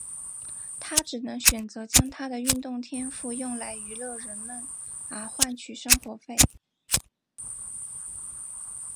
他只能选择将他的运动天赋用来娱乐人们而换取生活费。